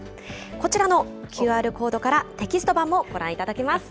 こちらのＱＲコードからテキスト版もご覧いただけます。